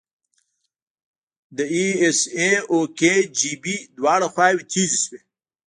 د ای اس ای او کي جی بي دواړه خواوې تیزې شوې.